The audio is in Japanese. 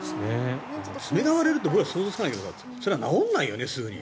爪が割れるって想像つかないけどそれは治らないよね、すぐに。